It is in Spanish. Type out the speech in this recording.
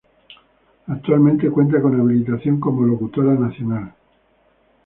Actualmente cuenta con habilitación como locutora nacional.